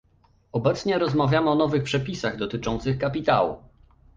Obecnie rozmawiamy o nowych przepisach dotyczących kapitału